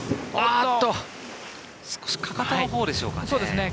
少しかかとのほうでしょうか。